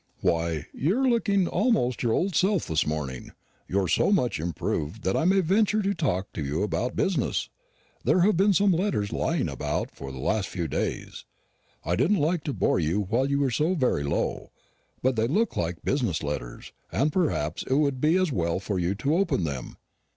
"Why, you are looking almost your old self this morning. You are so much improved that I may venture to talk to you about business. There have been some letters lying about for the last few days. I didn't like to bore you while you were so very low. But they look like business letters; and perhaps it would be as well for you to open them."